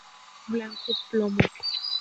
Shorts:blanco plomo.